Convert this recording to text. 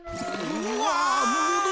うわ！